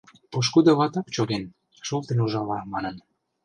Пошкудо ватак чоген, шолтен ужала, манын.